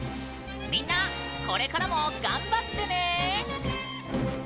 みんな、これからも頑張ってね！